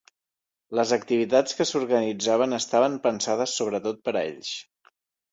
Les activitats que s'organitzaven estaven pensades sobretot per a ells.